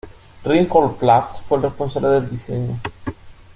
Reinhold Platz fue el responsable del diseño.